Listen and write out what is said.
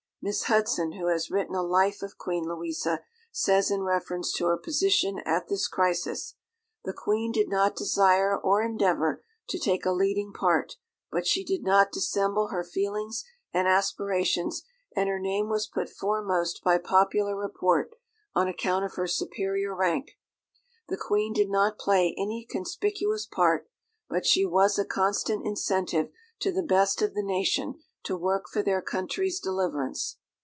Miss Hudson, who has written a life of Queen Louisa, says in reference to her position at this crisis, "The Queen did not desire or endeavour to take a leading part, but she did not dissemble her feelings and aspirations, and her name was put foremost by popular report, on account of her superior rank. The Queen did not play any conspicuous part, but she was a constant incentive to the best of the nation to work for their country's deliverance.